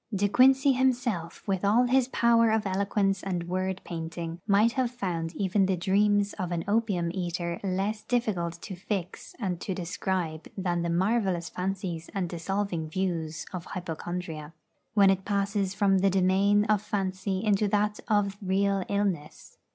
De Quincey himself, with all his power of eloquence and word painting, might have found even the dreams of an opium eater less difficult to fix and to describe than the marvellous fancies and dissolving views of hypochondria, when it passes from the domain of fancy into that of real illness.